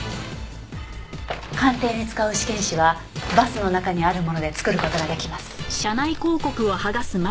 鑑定に使う試験紙はバスの中にあるもので作る事が出来ます。